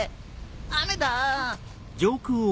雨だ。